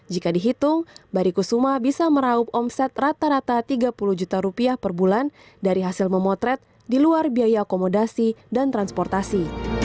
jika dihitung barikusuma bisa meraup omset rata rata tiga puluh juta rupiah per bulan dari hasil memotret di luar biaya akomodasi dan transportasi